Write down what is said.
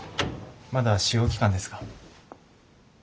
まだ試用期間ですが。